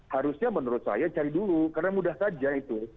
harusnya menurut saya cari dulu karena mudah saja itu